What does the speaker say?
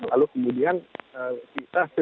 lalu kemudian kita